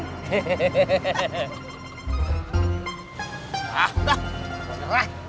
hah lah serah